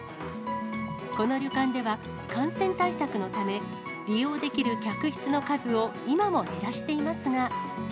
この旅館では、感染対策のため、利用できる客室の数を今も減らしていますが。